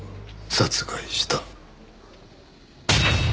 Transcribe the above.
殺害した。